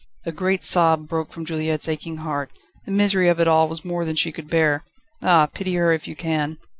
A great sob broke from Juliette's aching heart. The misery of it all was more than she could bear. Ah, pity her if you can!